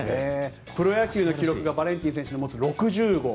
プロ野球の記録がバレンティン選手の持つ６０号。